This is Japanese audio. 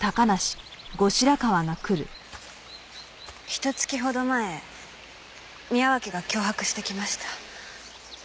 ひと月ほど前宮脇が脅迫してきました。